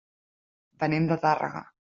Venim de Tàrrega.